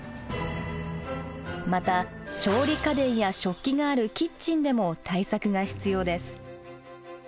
また調理家電や食器があるキッチンでも対策が必要です。